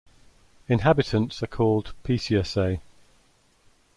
Inhabitants are called "Pisciacais".